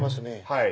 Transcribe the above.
はい。